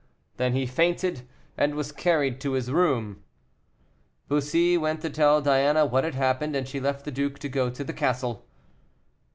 Then he fainted, and was carried to his room. Bussy went to tell Diana what had happened, and she left the duke to go to the castle.